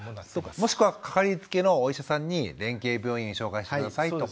もしくはかかりつけのお医者さんに連携病院を紹介して下さいとか。